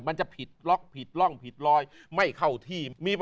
มันจะผิดล็อกผิดร่องผิดรอยไม่เข้าที่